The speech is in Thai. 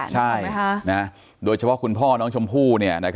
ใช่โดยเฉพาะคุณพ่อน้องชมพู่